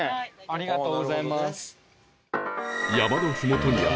ありがとうございます。